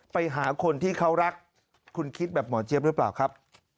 ไปหาคนที่เขารักคุณคิดแบบหมอเจี๊ยบหรือเปล่าครับ